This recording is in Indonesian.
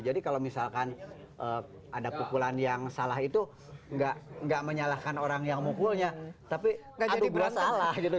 jadi kalau misalkan ada pukulan yang salah itu gak menyalahkan orang yang mukulnya tapi aduh gue salah gitu